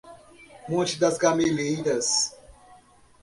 Monte das Gameleiras